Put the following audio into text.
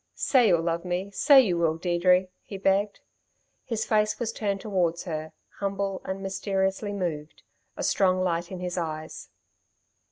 "Say you'll love me ... say you will, Deirdre," he begged. His face was turned towards her, humble and mysteriously moved, a strong light in his eyes.